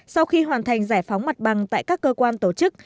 sau khi hoàn thành giải phóng mặt bằng tại các cơ quan tổ chức